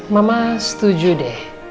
mama setuju deh